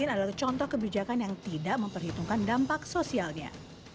adalah contoh kebijakan yang tidak memperhitungkan dampak sosialnya